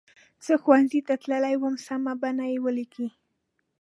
زه ښوونځي ته تللې وم سمه بڼه یې ولیکئ.